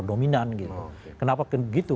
dominan gitu kenapa begitu